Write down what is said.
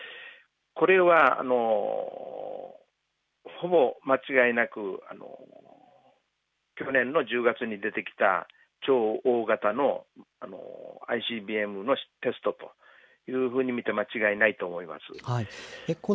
それは、ほぼ間違いなく去年の１０月に出てきた超大型のＩＣＢＭのテストというふうに見て間違いないと思います。